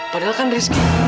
padahal kan rizky